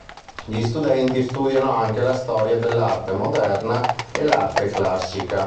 Gli studenti studiano anche la storia dell'arte moderna e l'arte classica.